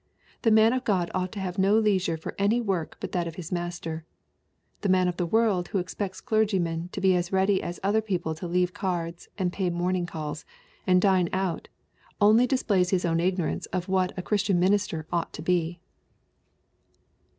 The man of Qt)d ought to have no leisure for any work but that of his Master. The mao of the world who expects clergymen to be as ready as other people to leave cards, and pay morning calls, and dme out, only displays his own ignorance of what a Christian minister ought to be.